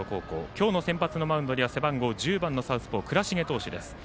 今日の先発のマウンドには背番号１０番のサウスポー倉重投手です。